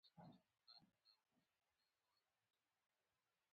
نن سبا یې علي ډېره اسکه وړوي.